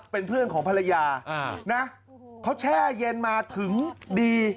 เป็นเพื่อนของภรรยานะเขาแช่เย็นมาถึงดี